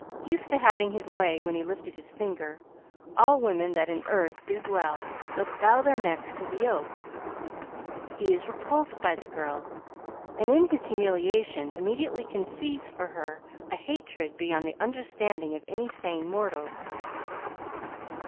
"Used to having his way when he lifted his finger, all women that in earth do dwell must bow their necks to the yoke. He is repulsed by the girl and in his humiliation immediately conceives for her a hatred beyond the understanding of any sane mortal."